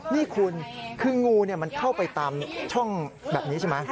นี่คุณคืองูมันเข้าไปตามช่องแบบนี้ใช่ไหม